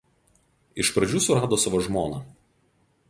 Iš pradžių surado savo žmoną.